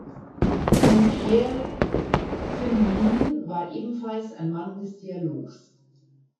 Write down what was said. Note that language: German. Denn Pierre Pflimlin war ebenfalls ein Mann des Dialogs.